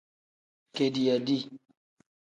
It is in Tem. Kediiya dii.